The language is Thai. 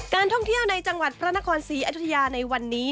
ท่องเที่ยวในจังหวัดพระนครศรีอยุธยาในวันนี้